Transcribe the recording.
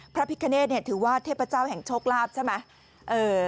พระพิตรเคเนสเนี่ยถึงว่าเทพเจ้าแห่งโชคลาภใช่ไหม